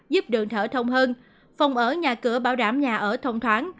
giúp đường thở thông hơn phòng ở nhà cửa bảo đảm nhà ở thông thoáng